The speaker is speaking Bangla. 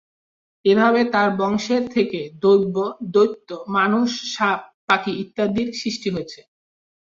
এভাবে তার বংশের থেকে দৈব, দৈত্য, মানুষ, সাপ, পাখি ইত্যাদির সৃষ্টি হয়েছে।